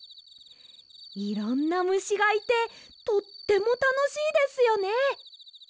いろんなむしがいてとってもたのしいですよね。